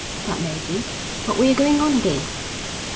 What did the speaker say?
'That may be; but we are going on again.'